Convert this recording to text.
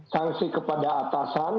sanksi kepada atasan